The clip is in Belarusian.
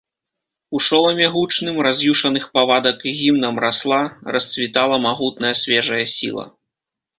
У шоламе гучным раз'юшаных павадак гімнам расла, расцвітала магутная свежая сіла.